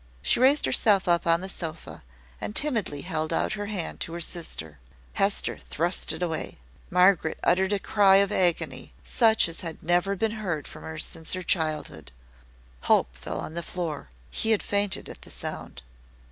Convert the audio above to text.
She raised herself up on the sofa, and timidly held out her hand to her sister. Hester thrust it away. Margaret uttered a cry of agony, such as had never been heard from her since her childhood. Hope fell on the floor he had fainted at the sound.